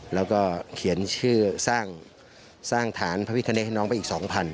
แล้วก็เขียนชื่อสร้างฐานพระพิคเนตให้น้องไปอีก๒๐๐